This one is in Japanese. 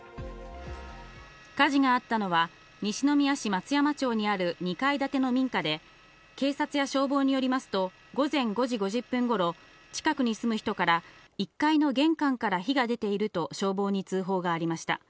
火事があったのは西宮市松山町にある２階建ての民家で、警察や消防によりますと午前５時５０分頃、近くに住む人から１階の玄関から火が出ていると、消防に通報がありました。